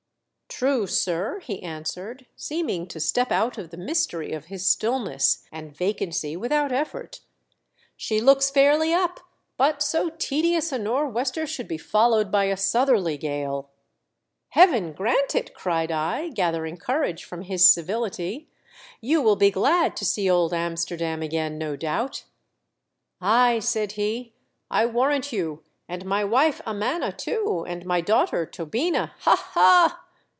"True, sir," he answered, seeming to step out of the mystery of his stillness and vacancy without effort. " She looks fairly up • but so tedious a nor' wester should be follovv^ed by a southerly gale !" "Heaven grant it!" cried I, gathering 2Tb THE DEATH SHIP. courage from his civility. " You will be glad to see old Amsterdam again, no doubt !" "Ay," said he, "I warrant you; and my wife, Amana, too, and my daughter, Tobina, Ha! ha!"